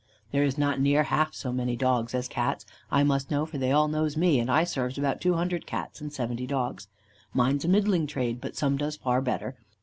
"'There is not near half so many Dogs as Cats; I must know, for they all knows me, and I serves about 200 Cats and 70 dogs. Mine's a middling trade, but some does far better.